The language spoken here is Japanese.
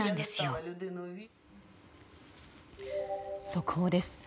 速報です。